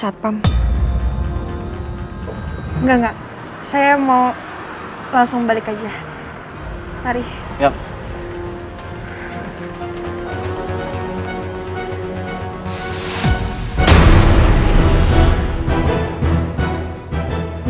apa ada sesuatu yang gak bisa aku jelasin